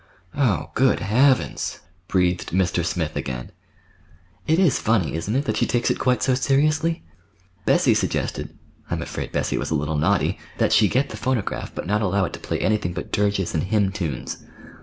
"Oh, good Heavens!" breathed Mr. Smith again. "It is funny, isn't it, that she takes it quite so seriously? Bessie suggested (I'm afraid Bessie was a little naughty!) that she get the phonograph, but not allow it to play anything but dirges and hymn tunes."